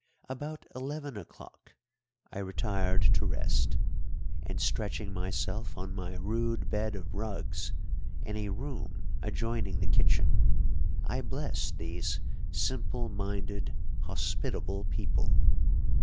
About eleven o'clock I retired to rest, and, stretching myself on my rude bed of rugs, in a room adjoining the kitchen, I blessed these simple minded, hospitable people.